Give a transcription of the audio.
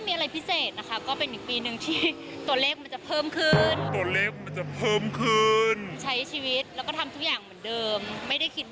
พี่คิทรเป็นไงครับหรือว่าเคยไปหรือว่างอะไรอีกเลย